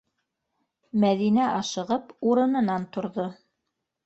Мәҙинә ашығып урынынан торҙо: